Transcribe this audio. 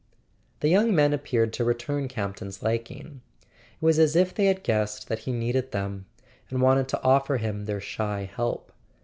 The young men appeared to return Campton's liking; it was as if they had guessed that he needed them, and wanted to offer him their shy help.